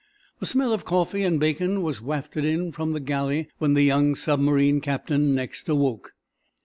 The smell of coffee and bacon was wafted in from the galley when the young submarine captain next awoke.